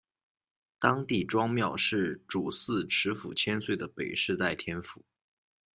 当地庄庙是主祀池府千岁的北势代天府。